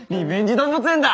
動物園だ！